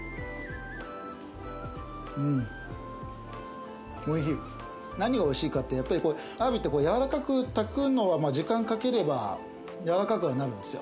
うんおいしい何がおいしいかってやっぱりアワビってやわらかく炊くのはまあ時間かければやわらかくはなるんですよ